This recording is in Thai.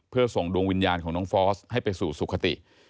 เพื่อส่งดวงวิญญาณของน้องฟอสให้ไปสู่สุขติ